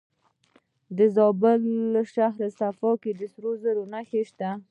د زابل په شهر صفا کې د سرو زرو نښې شته.